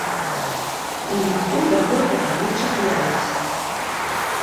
І ніхто да гэтага не чапляўся.